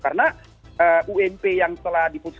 karena ump yang telah diputuskan